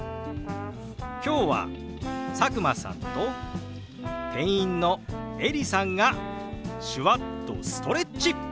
今日は佐久間さんと店員のエリさんが手話っとストレッチ！